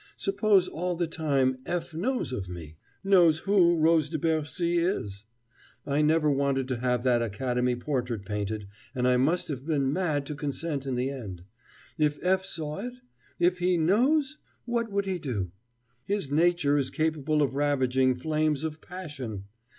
Suppose all the time F. knows of me? knows who Rose de Bercy is! I never wanted to have that Academy portrait painted, and I must have been mad to consent in the end. If F. saw it? If he knows? What would he do? His nature is capable of ravaging flames of passion!